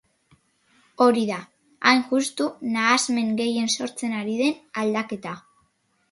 Hori da, hain justu, nahasmen gehien sortzen ari den aldaketa.